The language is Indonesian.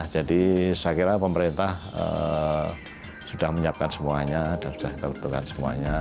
jadi saya kira pemerintah sudah menyiapkan semuanya sudah mengetahukan semuanya